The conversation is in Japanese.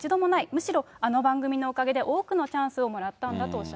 むしろあの番組のおかげで多くのチャンスをもらったんだとおっ